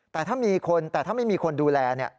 แต่ถ้าไม่มีคนดูแลเนี่ย